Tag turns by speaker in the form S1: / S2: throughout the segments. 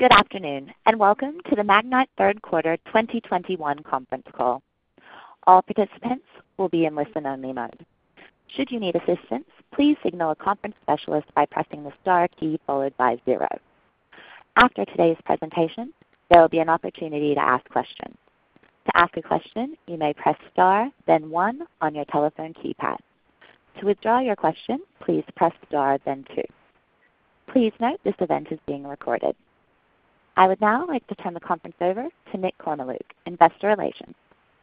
S1: Good afternoon, and welcome to the Magnite third quarter 2021 conference call. All participants will be in listen-only mode. Should you need assistance, please signal a conference specialist by pressing the star key followed by zero. After today's presentation, there will be an opportunity to ask questions. To ask a question, you may press star then one on your telephone keypad. To withdraw your question, please press star then two. Please note this event is being recorded. I would now like to turn the conference over to Nick Kormeluk, Investor Relations.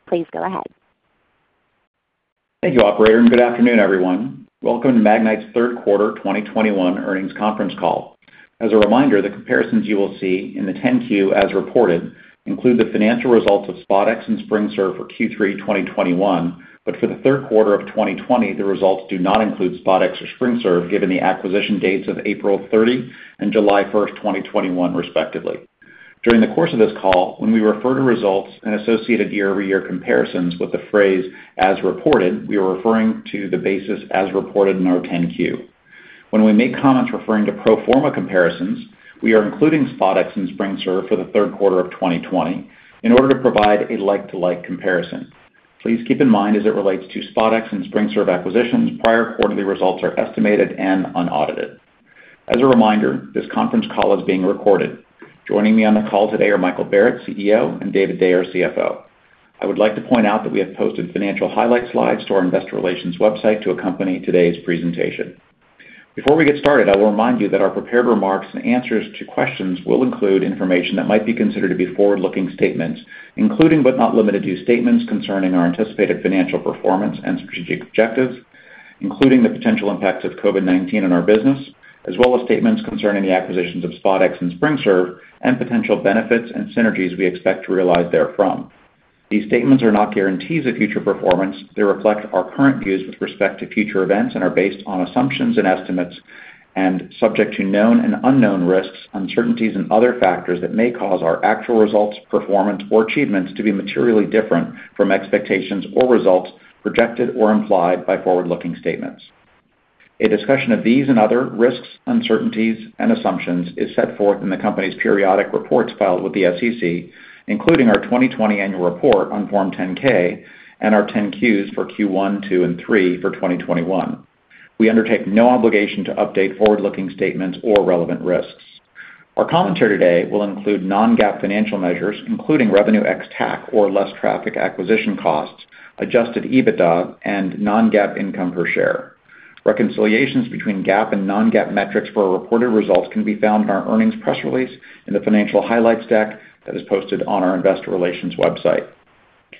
S1: Please go ahead.
S2: Thank you, operator, and good afternoon, everyone. Welcome to Magnite's third quarter 2021 earnings conference call. As a reminder, the comparisons you will see in the 10-Q as reported include the financial results of SpotX and SpringServe for Q3 2021, but for the third quarter of 2020, the results do not include SpotX or SpringServe given the acquisition dates of April 30 and July 1st, 2021 respectively. During the course of this call, when we refer to results and associated year-over-year comparisons with the phrase as reported, we are referring to the basis as reported in our 10-Q. When we make comments referring to pro forma comparisons, we are including SpotX and SpringServe for the third quarter of 2020 in order to provide a like-for-like comparison. Please keep in mind as it relates to SpotX and SpringServe acquisitions, prior quarterly results are estimated and unaudited. As a reminder, this conference call is being recorded. Joining me on the call today are Michael Barrett, CEO, and David Day, CFO. I would like to point out that we have posted financial highlight slides to our investor relations website to accompany today's presentation. Before we get started, I will remind you that our prepared remarks and answers to questions will include information that might be considered to be forward-looking statements, including, but not limited to, statements concerning our anticipated financial performance and strategic objectives, including the potential impacts of COVID-19 on our business, as well as statements concerning the acquisitions of SpotX and SpringServe and potential benefits and synergies we expect to realize therefrom. These statements are not guarantees of future performance. They reflect our current views with respect to future events and are based on assumptions and estimates and subject to known and unknown risks, uncertainties, and other factors that may cause our actual results, performance, or achievements to be materially different from expectations or results projected or implied by forward-looking statements. A discussion of these and other risks, uncertainties, and assumptions is set forth in the company's periodic reports filed with the SEC, including our 2020 annual report on Form 10-K and our 10-Qs for Q1, Q2, and Q3 for 2021. We undertake no obligation to update forward-looking statements or relevant risks. Our commentary today will include non-GAAP financial measures, including revenue ex TAC or less traffic acquisition costs, adjusted EBITDA, and non-GAAP income per share. Reconciliations between GAAP and non-GAAP metrics for our reported results can be found in our earnings press release in the financial highlights deck that is posted on our investor relations website.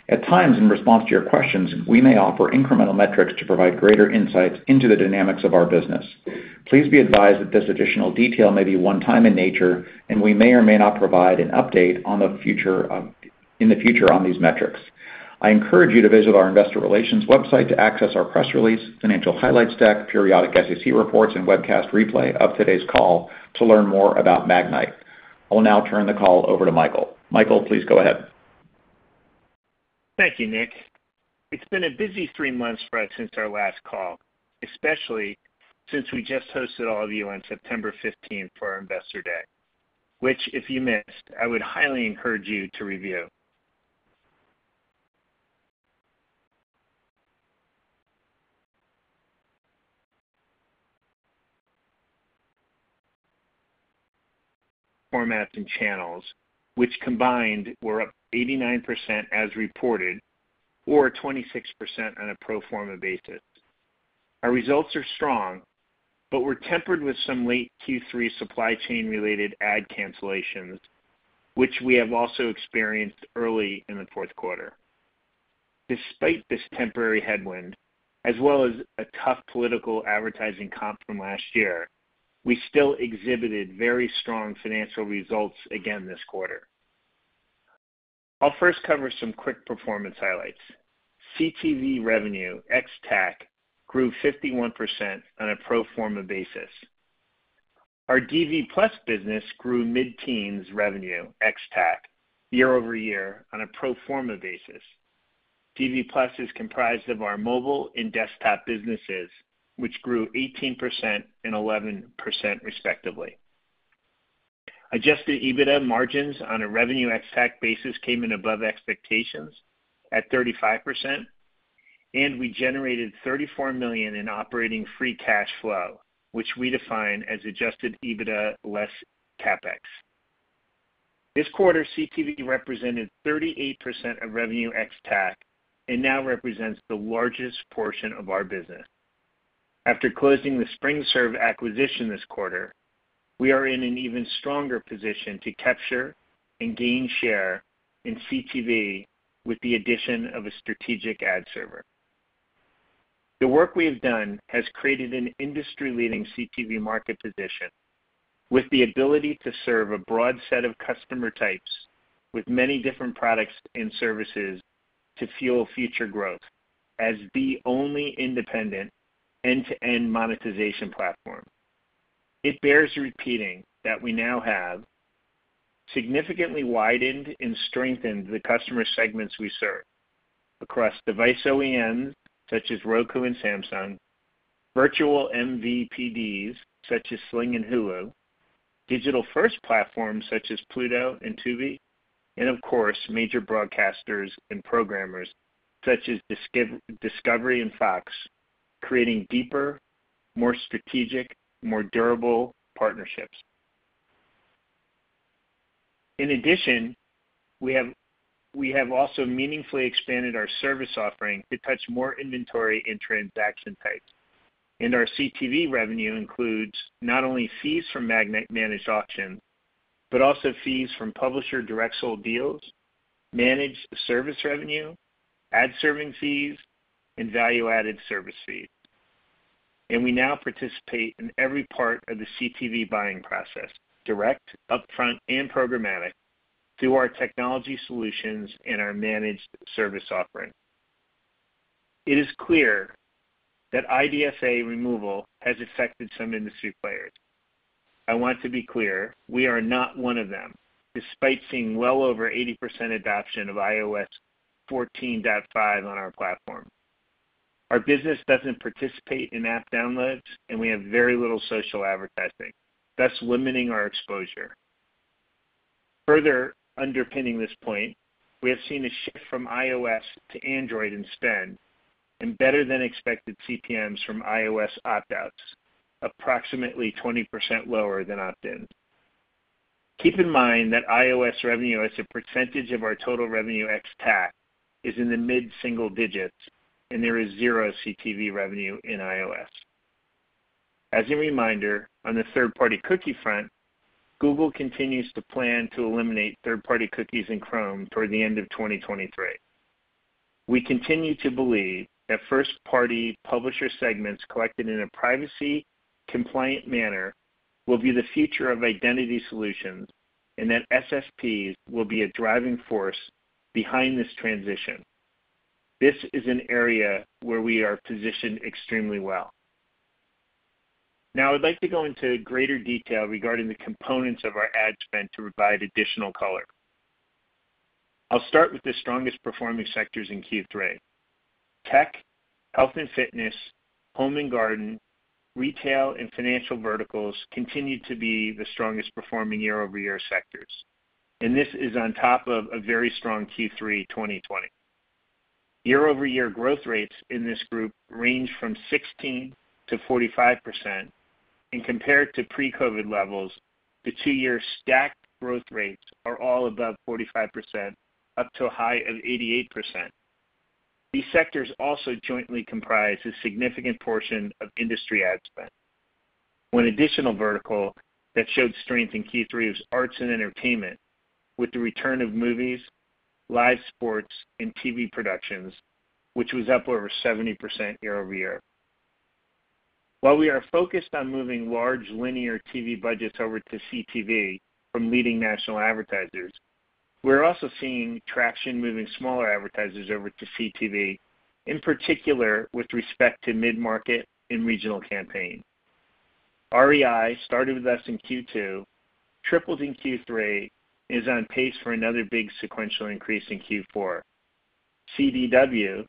S2: At times in response to your questions, we may offer incremental metrics to provide greater insights into the dynamics of our business. Please be advised that this additional detail may be one-time in nature, and we may or may not provide an update on the future, in the future on these metrics. I encourage you to visit our investor relations website to access our press release, financial highlights deck, periodic SEC reports, and webcast replay of today's call to learn more about Magnite. I will now turn the call over to Michael. Michael, please go ahead.
S3: Thank you, Nick. It's been a busy three months for us since our last call, especially since we just hosted all of you on September 15th for our Investor Day, which if you missed, I would highly encourage you to review. Formats and channels, which combined were up 89% as reported or 26% on a pro forma basis. Our results are strong, but were tempered with some late Q3 supply chain related ad cancellations, which we have also experienced early in the fourth quarter. Despite this temporary headwind, as well as a tough political advertising comp from last year, we still exhibited very strong financial results again this quarter. I'll first cover some quick performance highlights. CTV revenue ex TAC grew 51% on a pro forma basis. Our DV+ business grew mid-teens revenue ex TAC year over year on a pro forma basis. DV+ is comprised of our mobile and desktop businesses, which grew 18% and 11% respectively. Adjusted EBITDA margins on a revenue ex TAC basis came in above expectations at 35%, and we generated $34 million in operating free cash flow, which we define as adjusted EBITDA less CapEx. This quarter, CTV represented 38% of revenue ex TAC and now represents the largest portion of our business. After closing the SpringServe acquisition this quarter, we are in an even stronger position to capture and gain share in CTV with the addition of a strategic ad server. The work we have done has created an industry-leading CTV market position with the ability to serve a broad set of customer types with many different products and services to fuel future growth as the only independent end-to-end monetization platform. It bears repeating that we now have significantly widened and strengthened the customer segments we serve across device OEMs such as Roku and Samsung, virtual MVPDs, such as Sling and Hulu, digital-first platforms such as Pluto and Tubi, and of course, major broadcasters and programmers such as Discovery and Fox, creating deeper, more strategic, more durable partnerships. In addition, we have also meaningfully expanded our service offering to touch more inventory and transaction types. Our CTV revenue includes not only fees from Magnite managed auctions, but also fees from publisher direct sold deals, managed service revenue, ad serving fees, and value-added service fees. We now participate in every part of the CTV buying process, direct, upfront, and programmatic, through our technology solutions and our managed service offering. It is clear that IDFA removal has affected some industry players. I want to be clear, we are not one of them, despite seeing well over 80% adoption of iOS 14.5 on our platform. Our business doesn't participate in app downloads, and we have very little social advertising, thus limiting our exposure. Further underpinning this point, we have seen a shift from iOS to Android in spend and better than expected CPMs from iOS opt-outs, approximately 20% lower than opt-in. Keep in mind that iOS revenue as a percentage of our total revenue ex TAC is in the mid-single digits, and there is 0 CTV revenue in iOS. As a reminder, on the third-party cookie front, Google continues to plan to eliminate third-party cookies in Chrome toward the end of 2023. We continue to believe that first-party publisher segments collected in a privacy compliant manner will be the future of identity solutions, and that SSPs will be a driving force behind this transition. This is an area where we are positioned extremely well. Now, I'd like to go into greater detail regarding the components of our ad spend to provide additional color. I'll start with the strongest performing sectors in Q3. Tech, health and fitness, home and garden, retail, and financial verticals continued to be the strongest performing year-over-year sectors. This is on top of a very strong Q3 2020. Year-over-year growth rates in this group range from 16%-45%. Compared to pre-COVID levels, the two-year stacked growth rates are all above 45%, up to a high of 88%. These sectors also jointly comprise a significant portion of industry ad spend. One additional vertical that showed strength in Q3 is arts and entertainment, with the return of movies, live sports, and TV productions, which was up over 70% year-over-year. While we are focused on moving large linear TV budgets over to CTV from leading national advertisers, we're also seeing traction moving smaller advertisers over to CTV, in particular, with respect to mid-market and regional campaigns. REI started with us in Q2, tripled in Q3, and is on pace for another big sequential increase in Q4. CDW,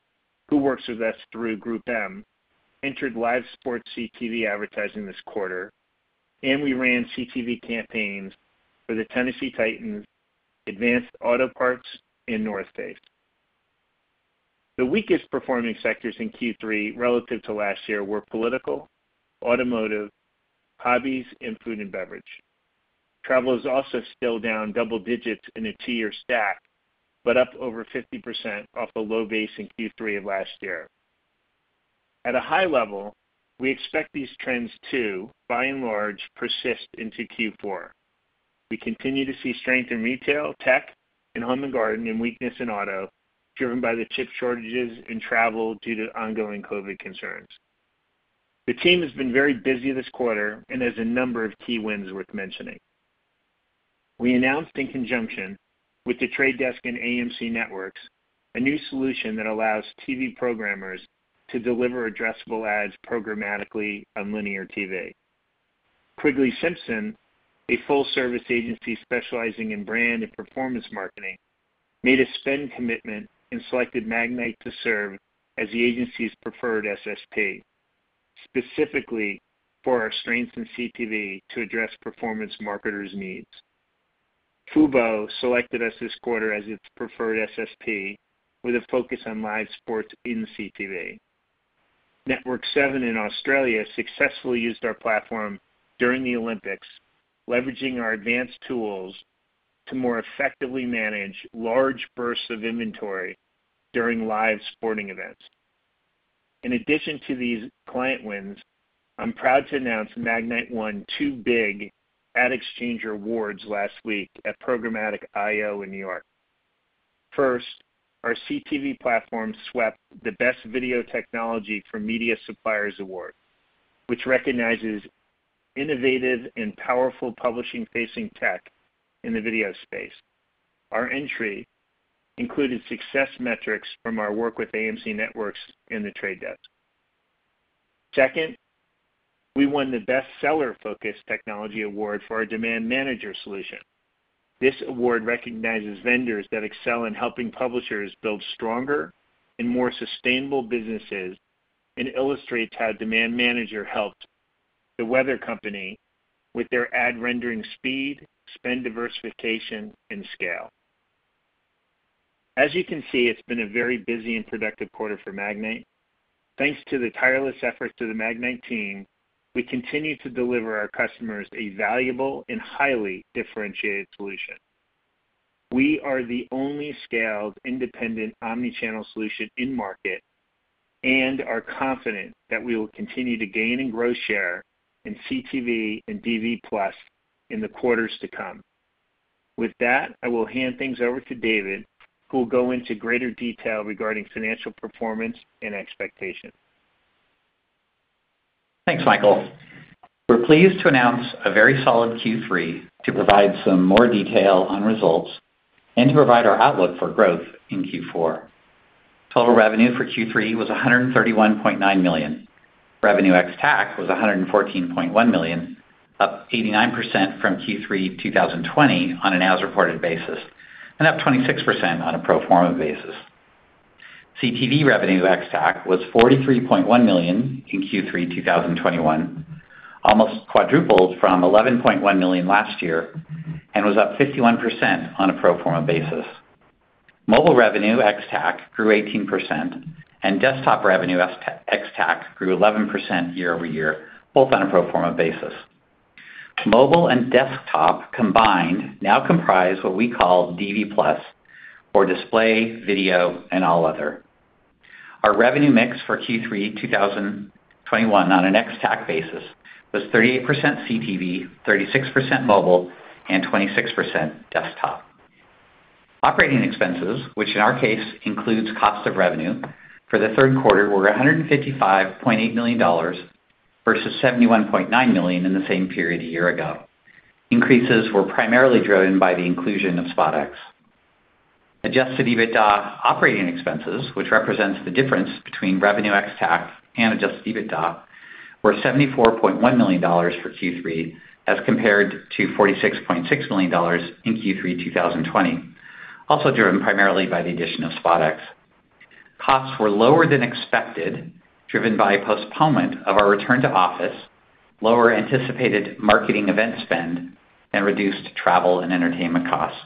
S3: who works with us through GroupM, entered live sports CTV advertising this quarter, and we ran CTV campaigns for the Tennessee Titans, Advance Auto Parts, and The North Face. The weakest performing sectors in Q3 relative to last year were political, automotive, hobbies, and food and beverage. Travel is also still down double digits in a two-year stack, but up over 50% off the low base in Q3 of last year. At a high level, we expect these trends to, by and large, persist into Q4. We continue to see strength in retail, tech, and home and garden, and weakness in auto, driven by the chip shortages and travel due to ongoing COVID concerns. The team has been very busy this quarter and has a number of key wins worth mentioning. We announced in conjunction with The Trade Desk and AMC Networks, a new solution that allows TV programmers to deliver addressable ads programmatically on linear TV. Quigley-Simpson, a full-service agency specializing in brand and performance marketing, made a spend commitment and selected Magnite to serve as the agency's preferred SSP, specifically for our strength in CTV to address performance marketers' needs. fuboTV selected us this quarter as its preferred SSP with a focus on live sports in CTV. Seven Network in Australia successfully used our platform during the Olympics, leveraging our advanced tools to more effectively manage large bursts of inventory during live sporting events. In addition to these client wins, I'm proud to announce Magnite won two big AdExchanger Awards last week at Programmatic I/O in New York. First, our CTV platform swept the Best Video Technology for Media Suppliers award, which recognizes innovative and powerful publishing-facing tech in the video space. Our entry included success metrics from our work with AMC Networks and The Trade Desk. Second, we won the best seller focus technology award for our Demand Manager solution. This award recognizes vendors that excel in helping publishers build stronger and more sustainable businesses and illustrates how Demand Manager helped The Weather Company with their ad rendering speed, spend diversification and scale. As you can see, it's been a very busy and productive quarter for Magnite. Thanks to the tireless efforts of the Magnite team, we continue to deliver our customers a valuable and highly differentiated solution. We are the only scaled independent omni-channel solution in market and are confident that we will continue to gain and grow share in CTV and DV+ in the quarters to come. With that, I will hand things over to David, who will go into greater detail regarding financial performance and expectations.
S4: Thanks, Michael. We're pleased to announce a very solid Q3 to provide some more detail on results and to provide our outlook for growth in Q4. Total revenue for Q3 was $131.9 million. Revenue ex TAC was $114.1 million, up 89% from Q3 2020 on an as-reported basis, and up 26% on a pro forma basis. CTV revenue ex TAC was $43.1 million in Q3 2021, almost quadrupled from $11.1 million last year and was up 51% on a pro forma basis. Mobile revenue ex TAC grew 18% and desktop revenue ex TAC grew 11% year-over-year, both on a pro forma basis. Mobile and desktop combined now comprise what we call DV+, or display, video, and all other. Our revenue mix for Q3 2021 on an ex TAC basis was 38% CTV, 36% mobile, and 26% desktop. Operating expenses, which in our case includes cost of revenue for the third quarter, were $155.8 million versus $71.9 million in the same period a year ago. Increases were primarily driven by the inclusion of SpotX. Adjusted EBITDA operating expenses, which represents the difference between revenue ex TAC and adjusted EBITDA, were $74.1 million for Q3 as compared to $46.6 million in Q3 2020, also driven primarily by the addition of SpotX. Costs were lower than expected, driven by postponement of our return to office, lower anticipated marketing event spend and reduced travel and entertainment costs.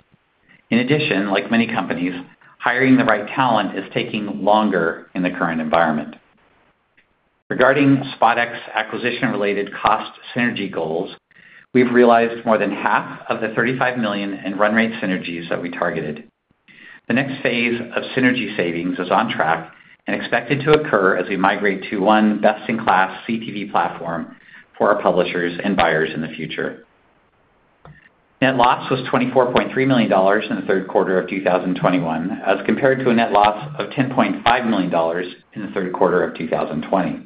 S4: In addition, like many companies, hiring the right talent is taking longer in the current environment. Regarding SpotX acquisition related cost synergy goals, we've realized more than half of the $35 million in run rate synergies that we targeted. The next phase of synergy savings is on track and expected to occur as we migrate to one best in class CTV platform for our publishers and buyers in the future. Net loss was $24.3 million in the third quarter of 2021 as compared to a net loss of $10.5 million in the third quarter of 2020.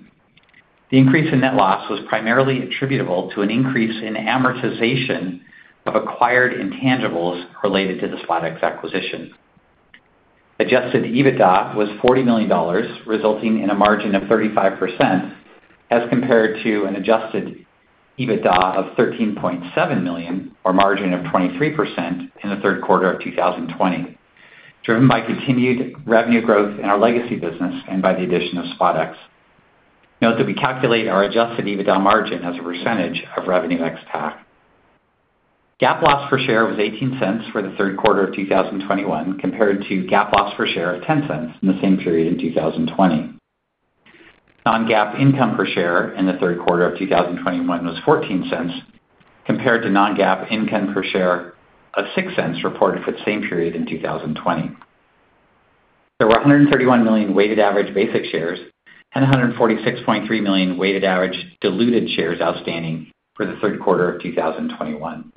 S4: The increase in net loss was primarily attributable to an increase in amortization of acquired intangibles related to the SpotX acquisition. Adjusted EBITDA was $40 million, resulting in a margin of 35% as compared to an adjusted EBITDA of $13.7 million, or margin of 23% in the third quarter of 2020, driven by continued revenue growth in our legacy business and by the addition of SpotX. Note that we calculate our adjusted EBITDA margin as a percentage of revenue ex TAC. GAAP loss per share was $0.18 for the third quarter of 2021, compared to GAAP loss per share of $0.10 in the same period in 2020. Non-GAAP income per share in the third quarter of 2021 was $0.14, compared to non-GAAP income per share of $0.06 reported for the same period in 2020. There were 131 million weighted average basic shares and 146.3 million weighted average diluted shares outstanding for the third quarter of 2021.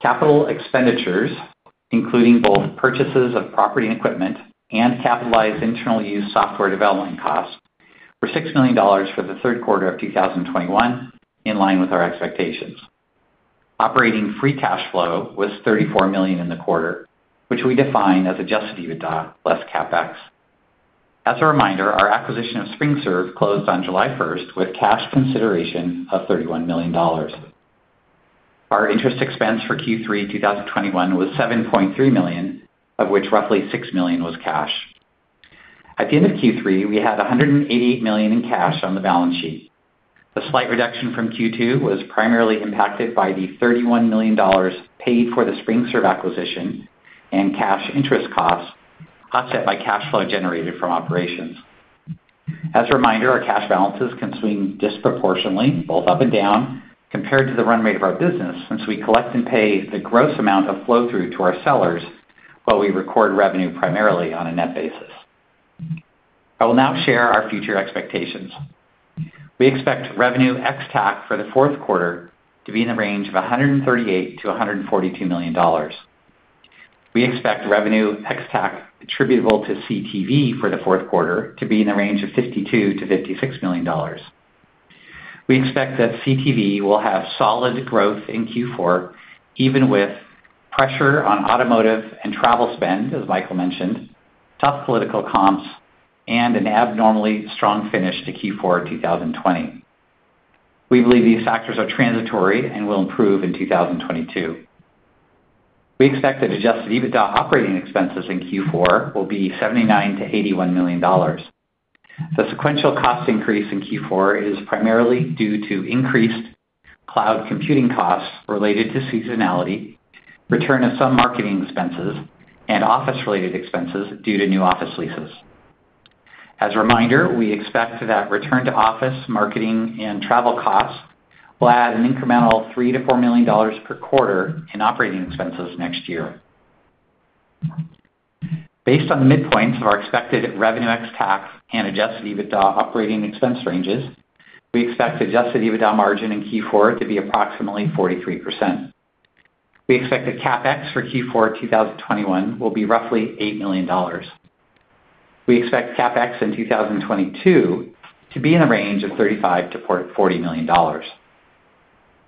S4: Capital expenditures, including both purchases of property and equipment and capitalized internal use software development costs, were $6 million for the third quarter of 2021, in line with our expectations. Operating free cash flow was $34 million in the quarter, which we define as adjusted EBITDA less CapEx. As a reminder, our acquisition of SpringServe closed on July first with cash consideration of $31 million. Our interest expense for Q3 2021 was $7.3 million, of which roughly $6 million was cash. At the end of Q3, we had $188 million in cash on the balance sheet. The slight reduction from Q2 was primarily impacted by the $31 million paid for the SpringServe acquisition and cash interest costs offset by cash flow generated from operations. As a reminder, our cash balances can swing disproportionately, both up and down, compared to the run rate of our business since we collect and pay the gross amount of flow through to our sellers while we record revenue primarily on a net basis. I will now share our future expectations. We expect revenue ex TAC for the fourth quarter to be in the range of $138 million-$142 million. We expect revenue ex TAC attributable to CTV for the fourth quarter to be in the range of $52 million-$56 million. We expect that CTV will have solid growth in Q4, even with pressure on automotive and travel spend, as Michael mentioned. Tough political comps, and an abnormally strong finish to Q4 2020. We believe these factors are transitory and will improve in 2022. We expect that adjusted EBITDA operating expenses in Q4 will be $79 million-$81 million. The sequential cost increase in Q4 is primarily due to increased cloud computing costs related to seasonality, return of some marketing expenses, and office-related expenses due to new office leases. As a reminder, we expect that return to office marketing and travel costs will add an incremental $3 million-$4 million per quarter in operating expenses next year. Based on the midpoints of our expected revenue ex-TAC and adjusted EBITDA operating expense ranges, we expect adjusted EBITDA margin in Q4 to be approximately 43%. We expect the CapEx for Q4 2021 will be roughly $8 million. We expect CapEx in 2022 to be in the range of $35 million-$40 million.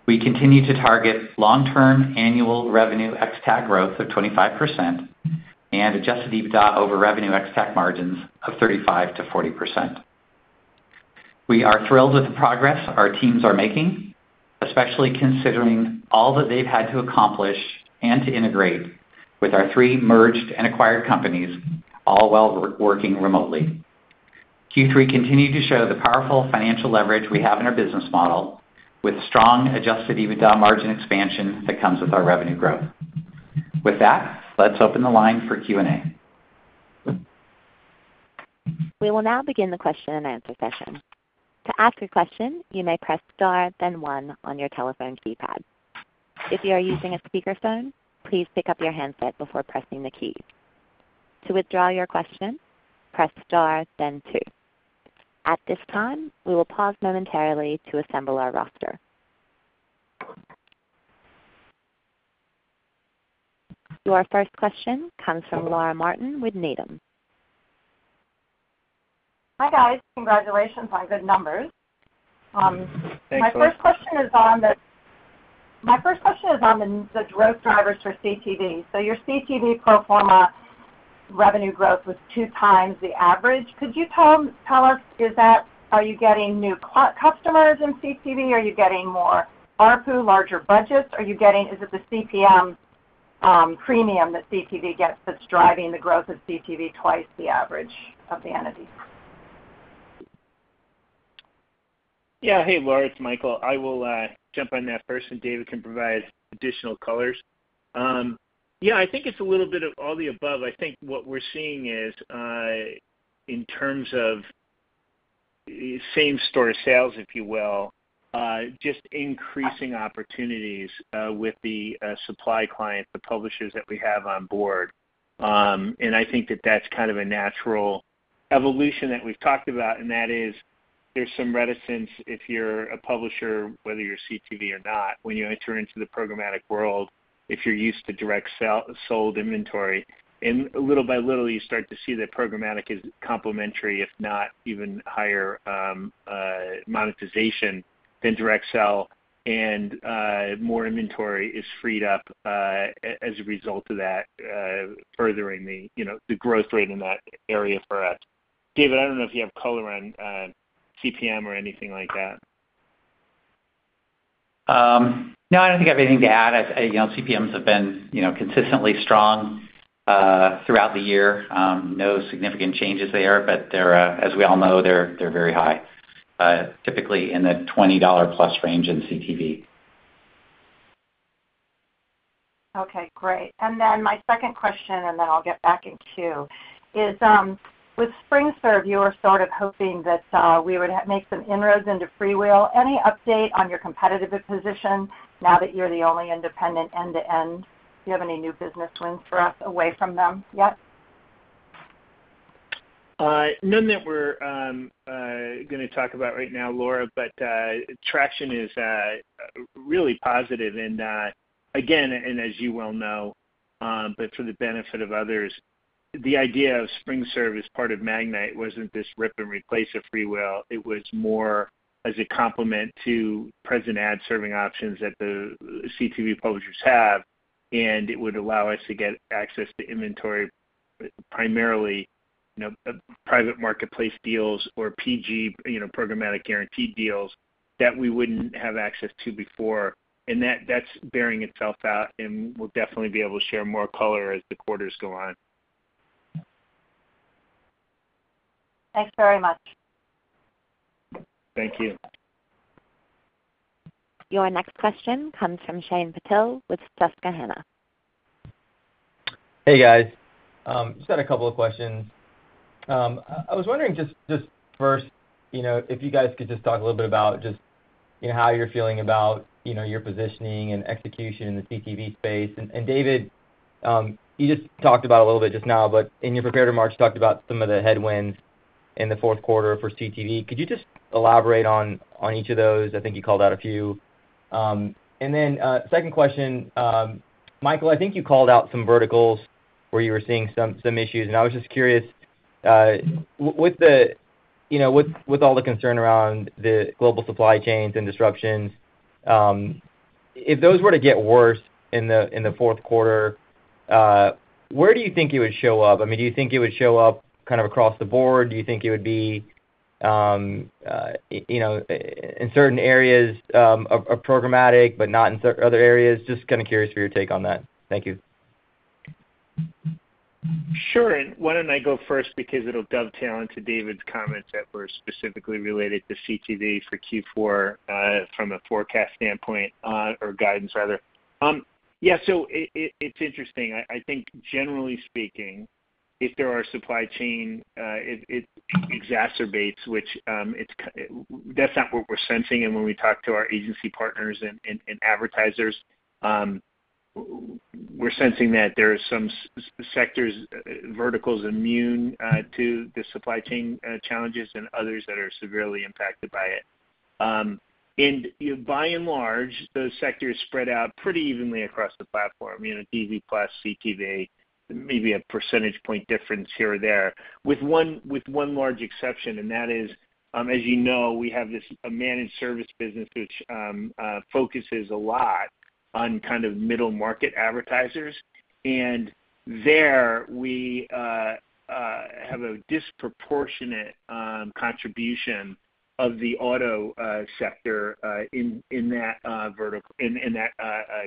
S4: We continue to target long-term annual revenue ex-TAC growth of 25% and adjusted EBITDA over revenue ex-TAC margins of 35%-40%. We are thrilled with the progress our teams are making, especially considering all that they've had to accomplish and to integrate with our three merged and acquired companies all while working remotely. Q3 continued to show the powerful financial leverage we have in our business model with strong adjusted EBITDA margin expansion that comes with our revenue growth. With that, let's open the line for Q&A.
S1: We will now begin the question-and-answer session. To ask a question, you may press star then one on your telephone keypad. If you are using a speakerphone, please pick up your handset before pressing the key. To withdraw your question, press star then two. At this time, we will pause momentarily to assemble our roster. Your first question comes from Laura Martin with Needham.
S5: Hi, guys. Congratulations on good numbers.
S3: Thanks, Laura.
S5: My first question is on the growth drivers for CTV. Your CTV pro forma revenue growth was two times the average. Could you tell us, are you getting new customers in CTV? Are you getting more ARPU, larger budgets? Is it the CPM premium that CTV gets that's driving the growth of CTV twice the average of the entities?
S3: Hey, Laura, it's Michael. I will jump on that first, and David can provide additional colors. Yeah, I think it's a little bit of all the above. I think what we're seeing is in terms of same-store sales, if you will, just increasing opportunities with the supply-side clients, the publishers that we have on board. I think that that's kind of a natural evolution that we've talked about, and that is there's some reticence if you're a publisher, whether you're CTV or not, when you enter into the programmatic world, if you're used to direct sold inventory. Little by little, you start to see that programmatic is complementary, if not even higher, monetization than direct sell and, more inventory is freed up, as a result of that, furthering the, you know, the growth rate in that area for us. David, I don't know if you have color on CPM or anything like that.
S4: No, I don't think I have anything to add. As you know, CPMs have been, you know, consistently strong throughout the year. No significant changes there, but they're, as we all know, very high, typically in the $20+ range in CTV.
S5: Okay, great. My second question, and then I'll get back in queue, is with SpringServe, you were sort of hoping that we would make some inroads into FreeWheel. Any update on your competitive position now that you're the only independent end-to-end? Do you have any new business wins for us away from them yet?
S3: None that we're gonna talk about right now, Laura. Traction is really positive. Again, as you well know, but for the benefit of others, the idea of SpringServe as part of Magnite wasn't this rip and replace of FreeWheel. It was more as a complement to present ad serving options that the CTV publishers have, and it would allow us to get access to inventory primarily, you know, private marketplace deals or PG, you know, programmatic guaranteed deals that we wouldn't have access to before. That's bearing itself out, and we'll definitely be able to share more color as the quarters go on.
S5: Thanks very much.
S3: Thank you.
S1: Your next question comes from Shyam Patil with Susquehanna.
S6: Hey, guys. Just had a couple of questions. I was wondering just first, you know, if you guys could just talk a little bit about just, you know, how you're feeling about, you know, your positioning and execution in the CTV space. And David, you just talked about a little bit just now, but in your prepared remarks, you talked about some of the headwinds in the fourth quarter for CTV. Could you just elaborate on each of those? I think you called out a few. Second question, Michael. I think you called out some verticals where you were seeing some issues, and I was just curious, with the, you know, with all the concern around the global supply chains and disruptions. If those were to get worse in the fourth quarter, where do you think it would show up? I mean, do you think it would show up kind of across the board? Do you think it would be, you know, in certain areas of programmatic but not in other areas? Just kind of curious for your take on that. Thank you.
S3: Sure. Why don't I go first because it'll dovetail into David's comments that were specifically related to CTV for Q4, from a forecast standpoint, or guidance rather. It's interesting. I think generally speaking, if there are supply chain, it exacerbates which, That's not what we're sensing. When we talk to our agency partners and advertisers, we're sensing that there are some sectors, verticals immune, to the supply chain, challenges and others that are severely impacted by it. By and large, those sectors spread out pretty evenly across the platform, you know, TV plus CTV, maybe a percentage point difference here or there. With one large exception, and that is, as you know, we have a managed service business, which focuses a lot on kind of middle market advertisers. There we have a disproportionate contribution of the auto sector in that vertical, in that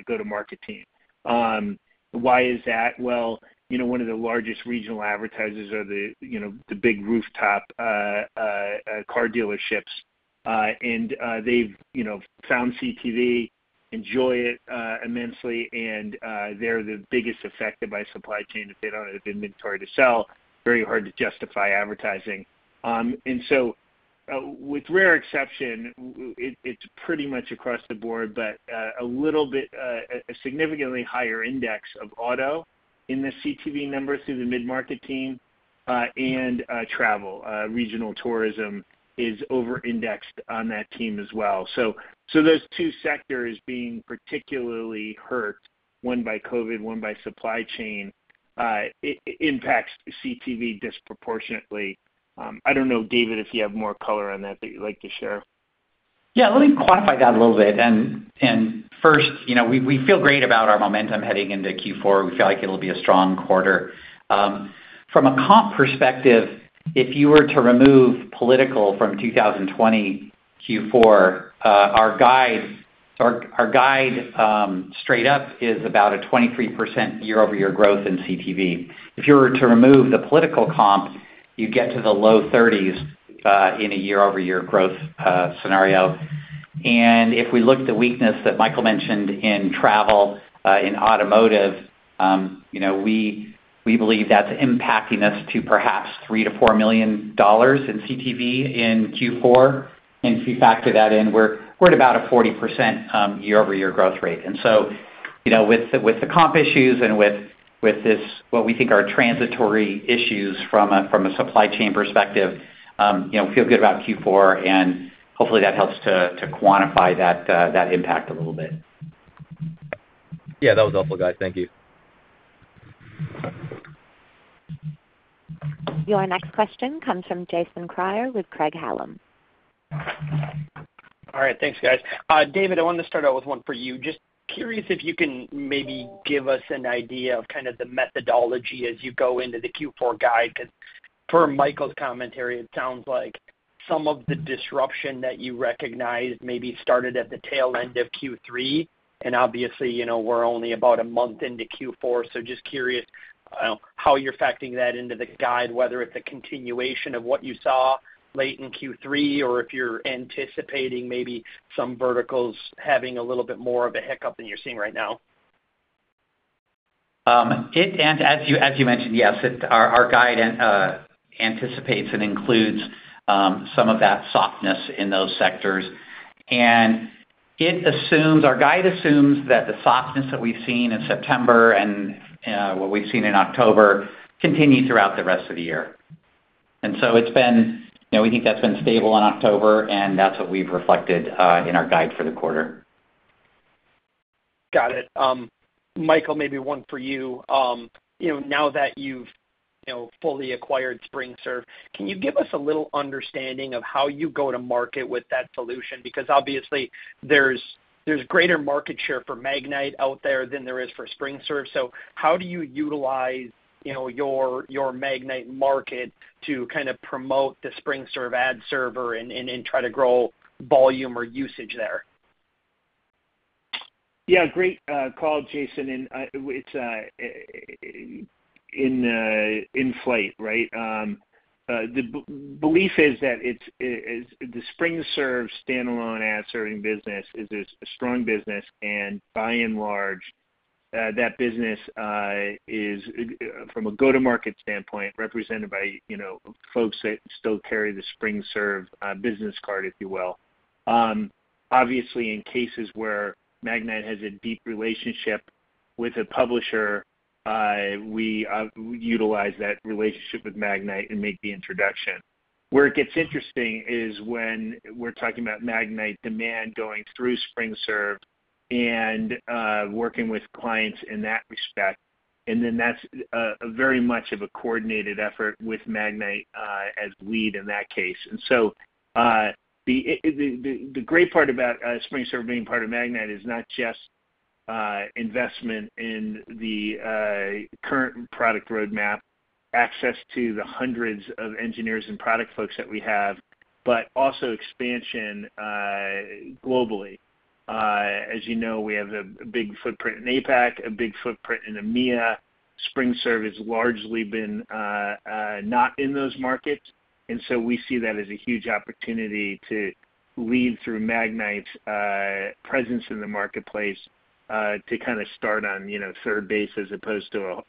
S3: go-to-market team. Why is that? Well, you know, one of the largest regional advertisers are the, you know, the big rooftop car dealerships. They've, you know, found CTV, enjoy it immensely, and they're the biggest affected by supply chain. If they don't have inventory to sell, very hard to justify advertising. With rare exception, it's pretty much across the board, but a little bit a significantly higher index of auto in the CTV numbers through the mid-market team, and travel. Regional tourism is over indexed on that team as well. Those two sectors being particularly hurt, one by COVID, one by supply chain impacts CTV disproportionately. I don't know, David, if you have more color on that that you'd like to share.
S4: Yeah, let me quantify that a little bit. First, you know, we feel great about our momentum heading into Q4. We feel like it'll be a strong quarter. From a comp perspective, if you were to remove political from 2020 Q4, our guide straight up is about a 23% year-over-year growth in CTV. If you were to remove the political comp, you get to the low 30s in a year-over-year growth scenario. If we look at the weakness that Michael mentioned in travel in automotive, you know, we believe that's impacting us to perhaps $3 million-$4 million in CTV in Q4. If you factor that in, we're at about a 40% year-over-year growth rate. You know, with the comp issues and with this, what we think are transitory issues from a supply chain perspective, you know, feel good about Q4, and hopefully that helps to quantify that impact a little bit.
S6: Yeah, that was helpful, guys. Thank you.
S1: Your next question comes from Jason Kreyer with Craig-Hallum.
S7: All right. Thanks, guys. David, I wanted to start out with one for you. Just curious if you can maybe give us an idea of kind of the methodology as you go into the Q4 guide, 'cause per Michael's commentary, it sounds like some of the disruption that you recognized maybe started at the tail end of Q3. Obviously, you know, we're only about a month into Q4. So just curious, how you're factoring that into the guide, whether it's a continuation of what you saw late in Q3 or if you're anticipating maybe some verticals having a little bit more of a hiccup than you're seeing right now?
S4: As you mentioned, yes, our guide anticipates and includes some of that softness in those sectors. Our guide assumes that the softness that we've seen in September and what we've seen in October continue throughout the rest of the year. It's been, you know, we think that's been stable in October, and that's what we've reflected in our guide for the quarter.
S7: Got it. Michael, maybe one for you. You know, now that you've fully acquired SpringServe, can you give us a little understanding of how you go to market with that solution? Because obviously, there's greater market share for Magnite out there than there is for SpringServe. So how do you utilize your Magnite market to kind of promote the SpringServe ad server and try to grow volume or usage there?
S3: Yeah, great call, Jason. It's in flight, right? The belief is that it's the SpringServe standalone ad serving business is a strong business, and by and large, that business is from a go-to-market standpoint, represented by, you know, folks that still carry the SpringServe business card, if you will. Obviously, in cases where Magnite has a deep relationship with a publisher, we utilize that relationship with Magnite and make the introduction. Where it gets interesting is when we're talking about Magnite demand going through SpringServe and working with clients in that respect. Then that's very much of a coordinated effort with Magnite as lead in that case. The great part about SpringServe being part of Magnite is not just investment in the current product roadmap access to the hundreds of engineers and product folks that we have, but also expansion globally. As you know, we have a big footprint in APAC, a big footprint in EMEA. SpringServe has largely been not in those markets, and we see that as a huge opportunity to lead through Magnite's presence in the marketplace to kind of start on, you know, third base as opposed to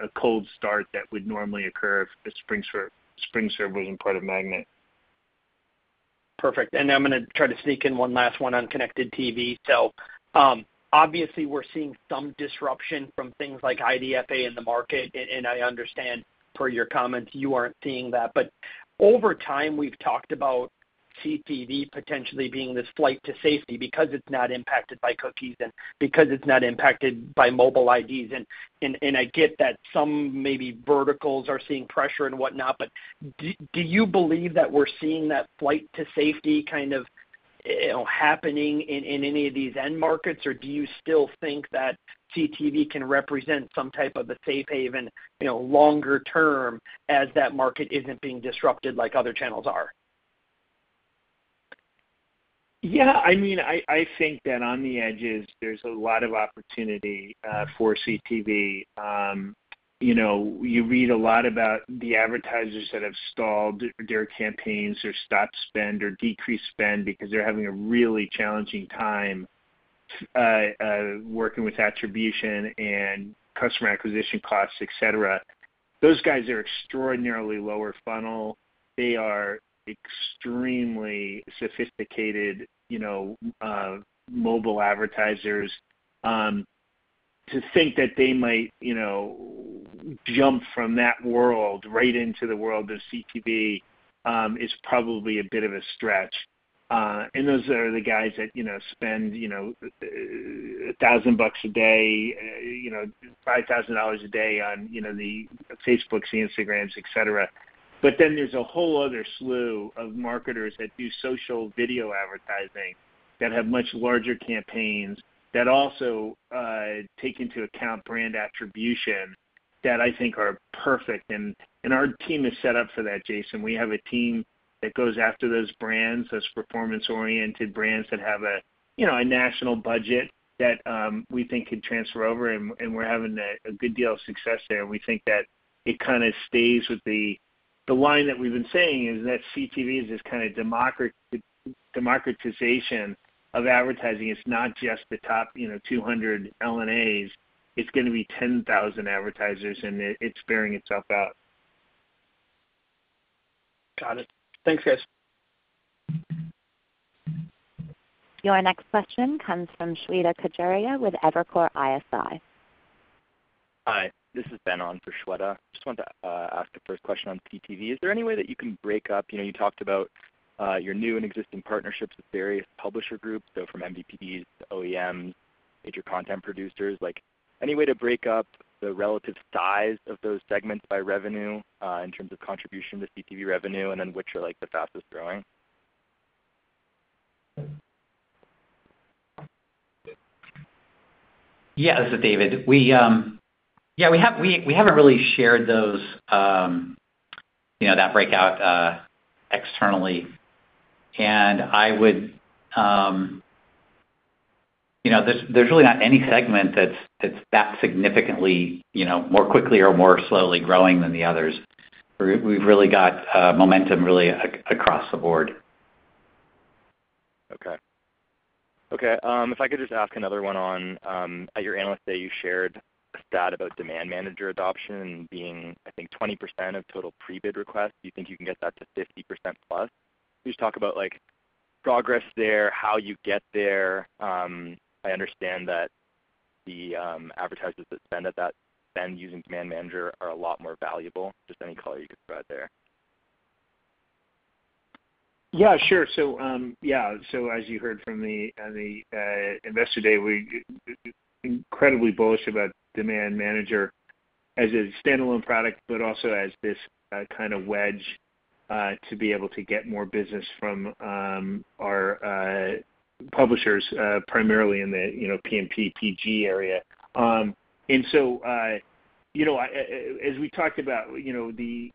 S3: a cold start that would normally occur if SpringServe wasn't part of Magnite.
S7: Perfect. I'm gonna try to sneak in one last one on connected TV. Obviously we're seeing some disruption from things like IDFA in the market, and I understand per your comments, you aren't seeing that. Over time, we've talked about CTV potentially being this flight to safety because it's not impacted by cookies and because it's not impacted by mobile IDs. I get that some maybe verticals are seeing pressure and whatnot, but do you believe that we're seeing that flight to safety kind of happening in any of these end markets? Or do you still think that CTV can represent some type of a safe haven, you know, longer term as that market isn't being disrupted like other channels are?
S3: Yeah. I mean, I think that on the edges there's a lot of opportunity for CTV. You know, you read a lot about the advertisers that have stalled their campaigns or stopped spend or decreased spend because they're having a really challenging time working with attribution and customer acquisition costs, et cetera. Those guys are extraordinarily lower funnel. They are extremely sophisticated, you know, mobile advertisers. To think that they might, you know, jump from that world right into the world of CTV is probably a bit of a stretch. Those are the guys that, you know, spend, you know, $1,000 a day, you know, $5,000 a day on, you know, the Facebooks, the Instagrams, et cetera. There's a whole other slew of marketers that do social video advertising that have much larger campaigns that also take into account brand attribution that I think are perfect. Our team is set up for that, Jason. We have a team that goes after those brands, those performance-oriented brands that have a, you know, a national budget that we think could transfer over, and we're having a good deal of success there. We think that it kind of stays with the line that we've been saying is that CTV is this kind of democratization of advertising. It's not just the top, you know, 200 LNAs. It's gonna be 10,000 advertisers, and it's bearing itself out.
S7: Got it. Thanks, guys.
S1: Your next question comes from Shweta Khajuria with Evercore ISI.
S8: Hi, this is Ben on for Shweta. Just wanted to ask the first question on CTV. Is there any way that you can break up, you know, you talked about your new and existing partnerships with various publisher groups, so from MVPDs to OEMs, major content producers. Like, any way to break up the relative size of those segments by revenue in terms of contribution to CTV revenue, and then which are, like, the fastest growing?
S4: Yeah. This is David. We haven't really shared those, you know, that breakout externally. I would, you know, there's really not any segment that's that significantly, you know, more quickly or more slowly growing than the others. We've really got momentum really across the board.
S8: Okay. If I could just ask another one on at your Analyst Day, you shared a stat about Demand Manager adoption being, I think, 20% of total Prebid requests. Do you think you can get that to 50%+? Can you just talk about, like, progress there, how you get there? I understand that the advertisers that spend at that spend using Demand Manager are a lot more valuable. Just any color you could provide there.
S3: Yeah, sure. As you heard from me on the Investor Day, we are incredibly bullish about Demand Manager as a standalone product, but also as this kind of wedge to be able to get more business from our publishers primarily in the you know PMPPG area. As we talked about, you know, when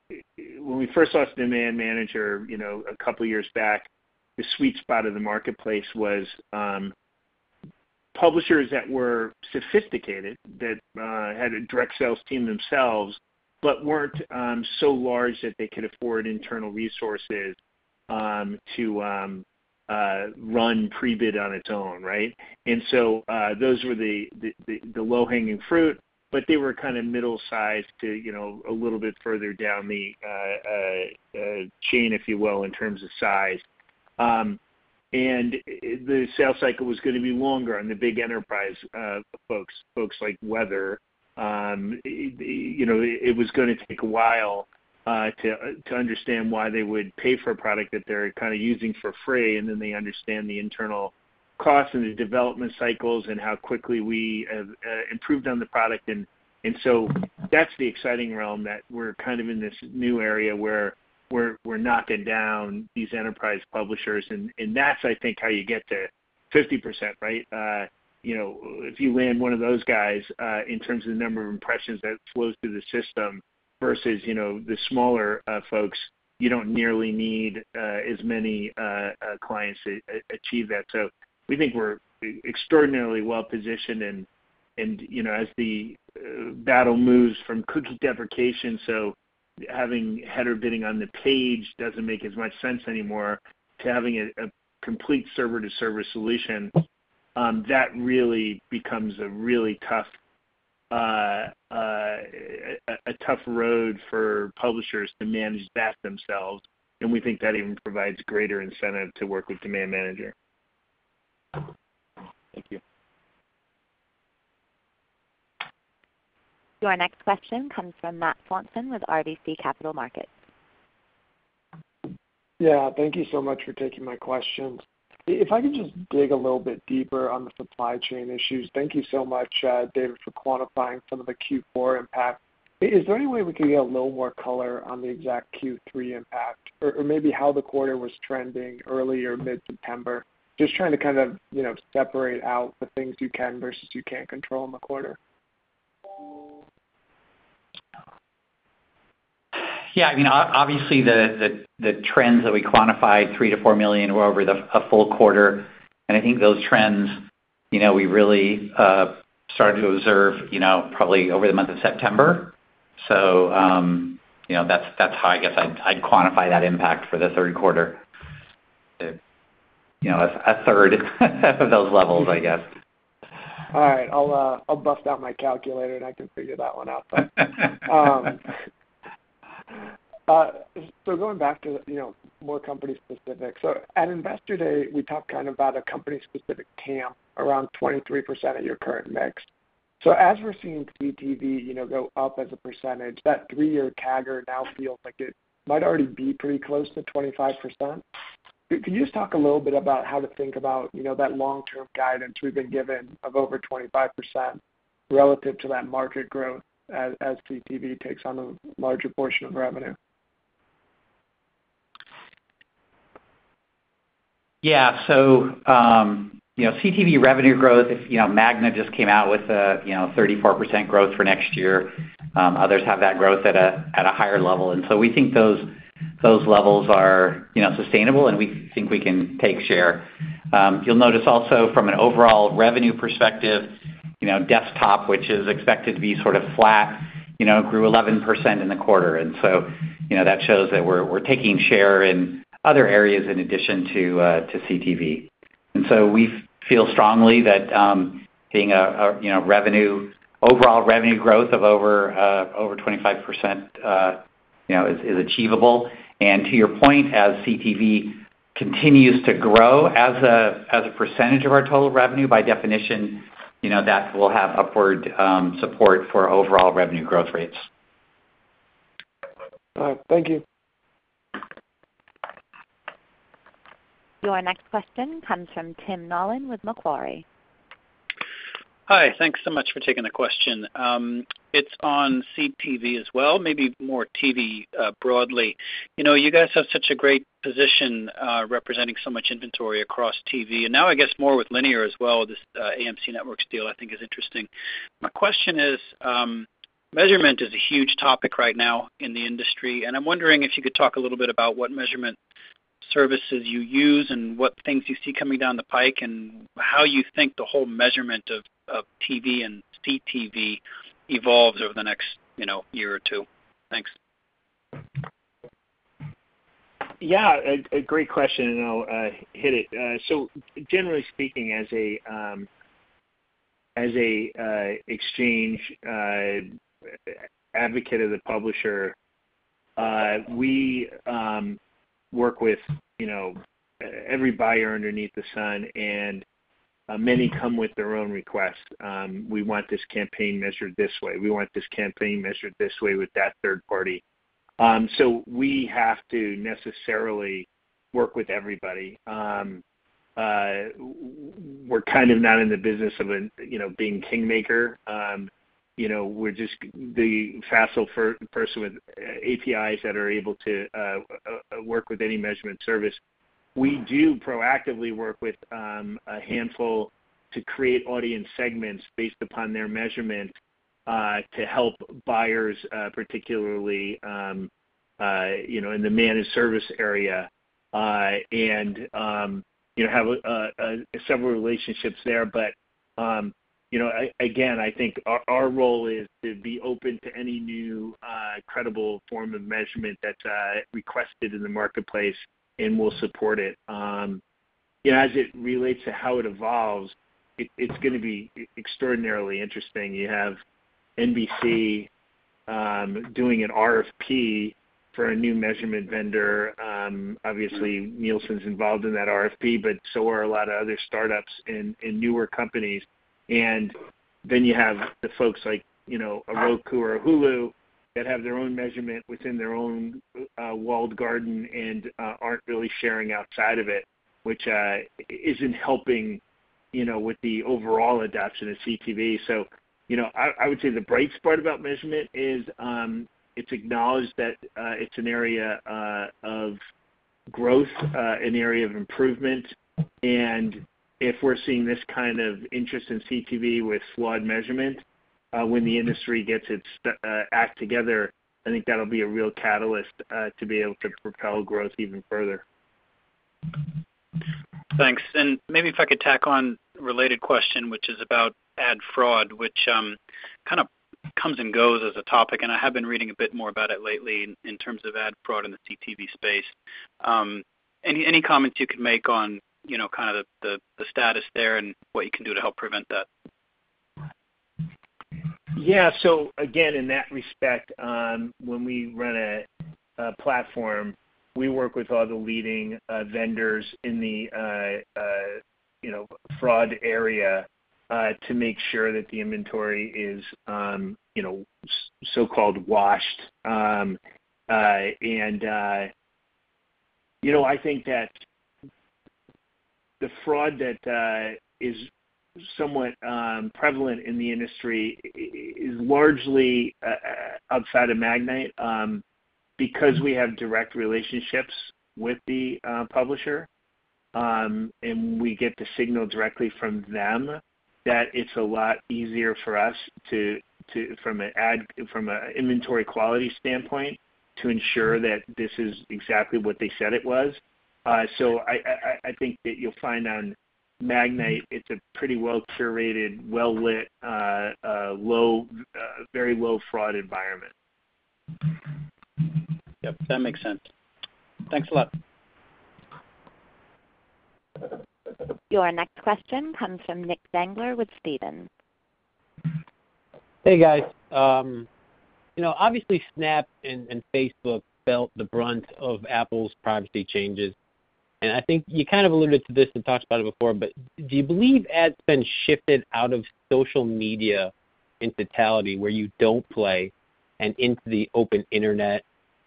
S3: we first launched Demand Manager a couple years back, the sweet spot of the marketplace was publishers that were sophisticated that had a direct sales team themselves, but weren't so large that they could afford internal resources to run Prebid on its own, right? Those were the low-hanging fruit, but they were kind of middle-sized to, you know, a little bit further down the chain, if you will, in terms of size. The sales cycle was gonna be longer on the big enterprise folks like Weather. You know, it was gonna take a while to understand why they would pay for a product that they're kind of using for free, and then they understand the internal costs and the development cycles and how quickly we improved on the product. That's the exciting realm that we're kind of in this new area where we're knocking down these enterprise publishers, and that's, I think, how you get to 50%, right? You know, if you land one of those guys, in terms of the number of impressions that flows through the system versus, you know, the smaller, folks, you don't nearly need as many clients to achieve that. We think we're extraordinarily well-positioned and, you know, as the battle moves from cookie deprecation, having header bidding on the page doesn't make as much sense anymore to having a complete server-to-server solution, that really becomes a really tough road for publishers to manage that themselves. We think that even provides greater incentive to work with Demand Manager.
S8: Thank you.
S1: Your next question comes from Matt Swanson with RBC Capital Markets.
S9: Yeah, thank you so much for taking my questions. If I could just dig a little bit deeper on the supply chain issues. Thank you so much, David, for quantifying some of the Q4 impact. Is there any way we could get a little more color on the exact Q3 impact or maybe how the quarter was trending early or mid-September? Just trying to kind of, you know, separate out the things you can versus you can't control in the quarter.
S4: Yeah. I mean, obviously, the trends that we quantified, $3 million-$4 million, were over a full quarter. I think those trends, you know, we really started to observe, you know, probably over the month of September. You know, that's how I guess I'd quantify that impact for the third quarter. You know, a third of those levels, I guess.
S9: All right. I'll bust out my calculator, and I can figure that one out. Going back to, you know, more company-specific. At Investor Day, we talked kind of about a company-specific TAM around 23% of your current mix. As we're seeing CTV, you know, go up as a percentage, that three-year CAGR now feels like it might already be pretty close to 25%. Could you just talk a little bit about how to think about, you know, that long-term guidance we've been given of over 25% relative to that market growth as CTV takes on a larger portion of revenue?
S4: Yeah. You know, CTV revenue growth is, you know, MAGNA just came out with a, you know, 34% growth for next year. Others have that growth at a higher level. We think those levels are, you know, sustainable, and we think we can take share. You'll notice also from an overall revenue perspective, you know, desktop, which is expected to be sort of flat, you know, grew 11% in the quarter. You know, that shows that we're taking share in other areas in addition to CTV. We feel strongly that overall revenue growth of over 25% is achievable. To your point, as CTV continues to grow as a percentage of our total revenue, by definition, you know, that will have upward support for overall revenue growth rates.
S9: All right. Thank you.
S1: Your next question comes from Tim Nollen with Macquarie.
S10: Hi. Thanks so much for taking the question. It's on CTV as well, maybe more TV, broadly. You know, you guys have such a great position, representing so much inventory across TV, and now I guess more with linear as well. This AMC Networks deal, I think is interesting. My question is, measurement is a huge topic right now in the industry, and I'm wondering if you could talk a little bit about what measurement services you use and what things you see coming down the pike and how you think the whole measurement of TV and CTV evolves over the next, you know, year or two. Thanks.
S3: A great question, and I'll hit it. Generally speaking, as an exchange advocate of the publisher, we work with, you know, every buyer underneath the sun, and many come with their own request. We want this campaign measured this way. We want this campaign measured this way with that third party. We have to necessarily work with everybody. We're kind of not in the business of, you know, being kingmaker. You know, we're just the facilitator with APIs that are able to work with any measurement service. We do proactively work with a handful to create audience segments based upon their measurement to help buyers particularly you know in the managed service area and you know have several relationships there. You know again I think our role is to be open to any new credible form of measurement that's requested in the marketplace and we'll support it. You know as it relates to how it evolves it's gonna be extraordinarily interesting. You have NBC doing an RFP for a new measurement vendor. Obviously Nielsen's involved in that RFP but so are a lot of other startups and newer companies. You have the folks like, you know, a Roku or a Hulu that have their own measurement within their own walled garden and isn't really sharing outside of it, which isn't helping, you know, with the overall adoption of CTV. You know, I would say the bright spot about measurement is it's acknowledged that it's an area of growth, an area of improvement. If we're seeing this kind of interest in CTV with subpar measurement, when the industry gets its act together, I think that'll be a real catalyst to be able to propel growth even further.
S10: Thanks. Maybe if I could tack on related question, which is about ad fraud, which kind of comes and goes as a topic, and I have been reading a bit more about it lately in terms of ad fraud in the CTV space. Any comments you could make on, you know, kind of the status there and what you can do to help prevent that?
S3: Yeah. Again, in that respect, when we run a platform, we work with all the leading vendors in the fraud area to make sure that the inventory is, you know, so-called washed. You know, I think that the fraud that is somewhat prevalent in the industry is largely outside of Magnite because we have direct relationships with the publisher and we get the signal directly from them that it's a lot easier for us to, from a inventory quality standpoint, to ensure that this is exactly what they said it was. I think that you'll find on Magnite it's a pretty well-curated, well-lit, very low fraud environment.
S10: Yep, that makes sense. Thanks a lot.
S1: Your next question comes from Nick Zangler with Stephens.
S11: Hey, guys. You know, obviously, Snap and Facebook felt the brunt of Apple's privacy changes. I think you kind of alluded to this and talked about it before, but do you believe ads been shifted out of social media in totality where you don't play and into the open internet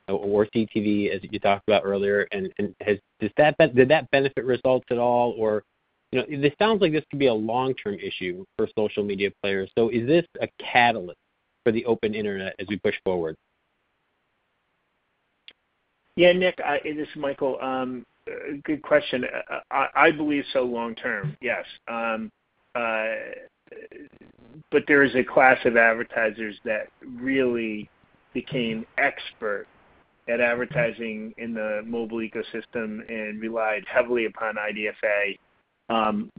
S11: or CTV as you talked about earlier? And has did that benefit results at all or, you know, this sounds like this could be a long-term issue for social media players. Is this a catalyst for the open internet as we push forward?
S3: Yeah. Nick, this is Michael. Good question. I believe so long term, yes. But there is a class of advertisers that really became expert at advertising in the mobile ecosystem and relied heavily upon IDFA,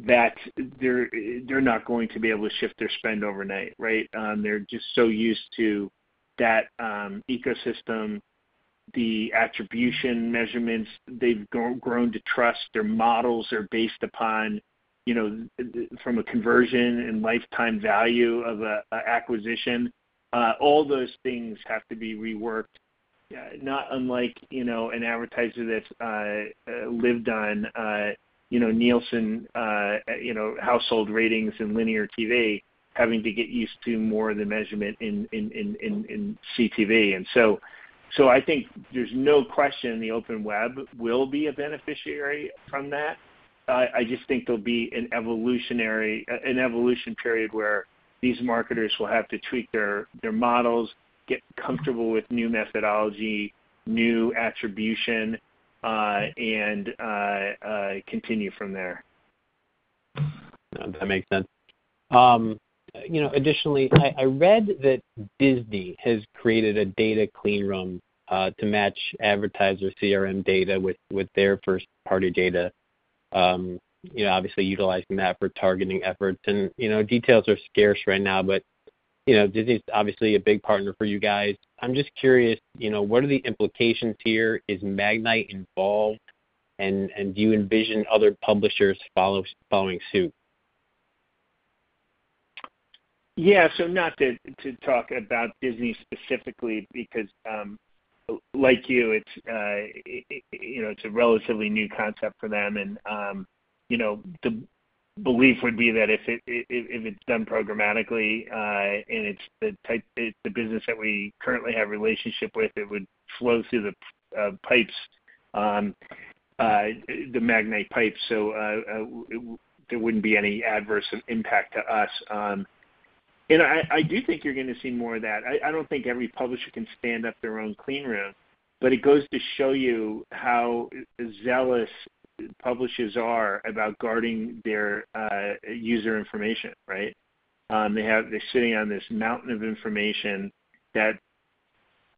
S3: that they're not going to be able to shift their spend overnight, right? They're just so used to that ecosystem, the attribution measurements they've grown to trust. Their models are based upon, you know, from a conversion and lifetime value of a acquisition. All those things have to be reworked, not unlike, you know, an advertiser that's lived on, you know, Nielsen, you know, household ratings and linear TV having to get used to more of the measurement in CTV. I think there's no question the open web will be a beneficiary from that. I just think there'll be an evolution period where these marketers will have to tweak their models, get comfortable with new methodology, new attribution, and continue from there.
S11: That makes sense. You know, additionally, I read that Disney has created a data clean room to match advertiser CRM data with their first-party data, you know, obviously utilizing that for targeting efforts. You know, details are scarce right now, but you know, Disney's obviously a big partner for you guys. I'm just curious, you know, what are the implications here? Is Magnite involved? Do you envision other publishers following suit?
S3: Not to talk about Disney specifically because, like you, it's a relatively new concept for them. You know, the belief would be that if it's done programmatically and it's the business that we currently have relationship with, it would flow through the pipes, the Magnite pipes, so there wouldn't be any adverse impact to us. I do think you're gonna see more of that. I don't think every publisher can stand up their own clean room, but it goes to show you how zealous publishers are about guarding their user information, right? They're sitting on this mountain of information that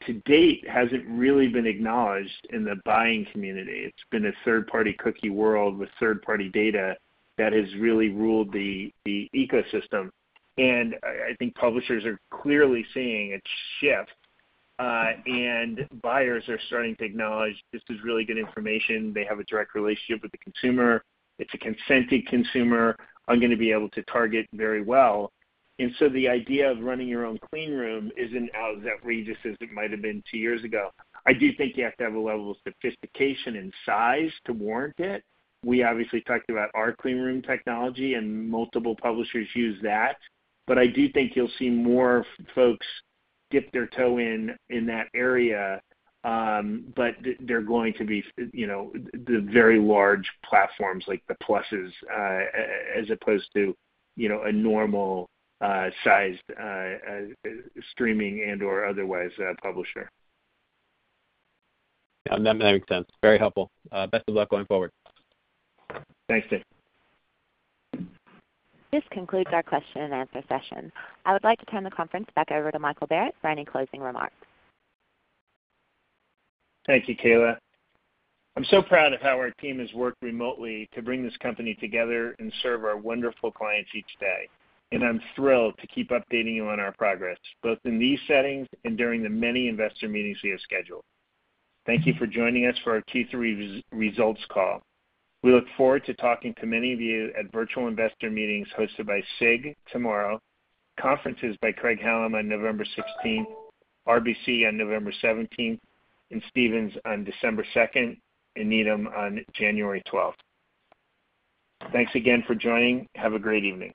S3: to date hasn't really been acknowledged in the buying community. It's been a third-party cookie world with third-party data that has really ruled the ecosystem. I think publishers are clearly seeing a shift, and buyers are starting to acknowledge this is really good information. They have a direct relationship with the consumer. It's a consented consumer I'm gonna be able to target very well. The idea of running your own clean room isn't as outrageous as it might have been two years ago. I do think you have to have a level of sophistication and size to warrant it. We obviously talked about our clean room technology, and multiple publishers use that. I do think you'll see more folks dip their toe in that area. They're going to be, you know, the very large platforms like the pluses, as opposed to, you know, a normal sized streaming and/or otherwise publisher.
S11: Yeah, that makes sense. Very helpful. Best of luck going forward.
S3: Thanks, Nick.
S1: This concludes our question and answer session. I would like to turn the conference back over to Michael Barrett for any closing remarks.
S3: Thank you, Kayla. I'm so proud of how our team has worked remotely to bring this company together and serve our wonderful clients each day. I'm thrilled to keep updating you on our progress, both in these settings and during the many investor meetings we have scheduled. Thank you for joining us for our Q3 results call. We look forward to talking to many of you at virtual investor meetings hosted by SIG tomorrow, conferences by Craig-Hallum on November 16, RBC on November 17, and Stephens on December 2nd, and Needham on January 12. Thanks again for joining. Have a great evening.